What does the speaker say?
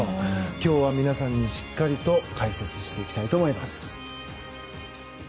今日は皆さんしっかりと解説していきたいと思います。